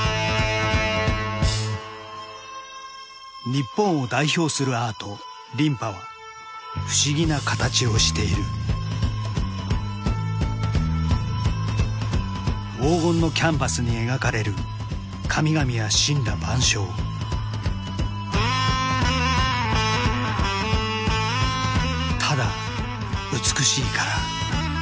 日本を代表するアート琳派は不思議な形をしている黄金のキャンバスに描かれる神々や森羅万象ただ美しいから。